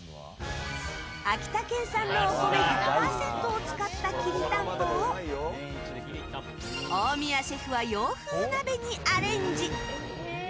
秋田県産のお米１００％を使ったきりたんぽを大宮シェフは洋風鍋にアレンジ。